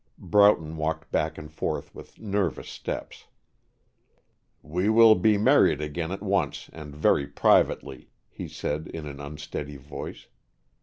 Broughton walked back and forth with nervous steps. "We will be married again, at once, and very privately," he said, in an unsteady voice.